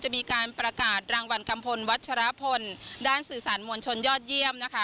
มีการประกาศรางวัลกัมพลวัชรพลด้านสื่อสารมวลชนยอดเยี่ยมนะคะ